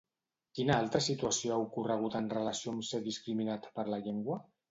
Quina altra situació ha ocorregut en relació amb ser discriminat per la llengua?